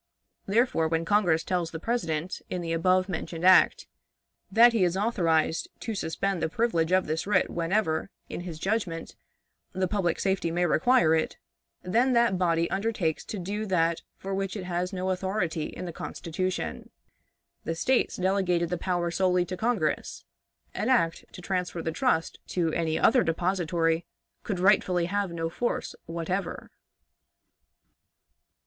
Therefore, when Congress tells the President, in the above mentioned act, that he is authorized to suspend the privilege of this writ whenever, in his judgment, the public safety may require it, then that body undertakes to do that for which it has no authority in the Constitution. The States delegated the power solely to Congress; an act to transfer the trust to any other depository could rightfully have no force whatever.